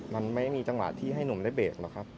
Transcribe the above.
มันไม่มีจังหวะที่ให้หนุ่มได้เบรกหรอกครับ